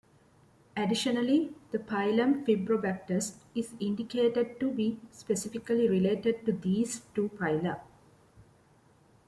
Additionally, the phylum Fibrobacteres is indicated to be specifically related to these two phyla.